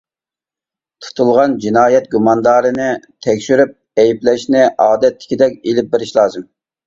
تۇتۇلغان جىنايەت گۇماندارىنى تەكشۈرۈپ ئەيىبلەشنى ئادەتتىكىدەك ئېلىپ بېرىش لازىم.